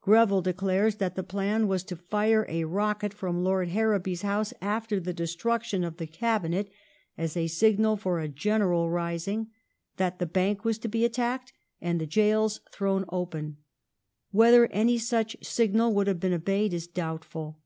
Greville declares that the plan was to fire a rocket from Lord Harrowby's house after the destruction of the Cabinet, as a signal for a general rising ; that the Bank was to be attacked, and the gaols thrown open. Whether any such signal would have been obeyed is doubtful.